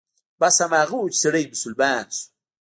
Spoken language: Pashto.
بس هماغه و چې سړى مسلمان شو.